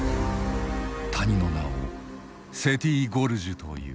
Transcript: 谷の名をセティ・ゴルジュという。